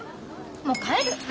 もう帰る！